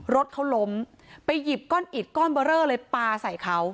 รถเขาล้มไปหยิบก้อนอิดก้อนเบอร์เรอเลยปลาใส่เขา